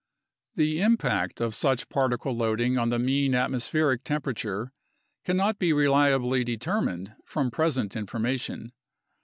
The impact of such particle loading on the mean atmospheric tem perature cannot be reliably determined from present information.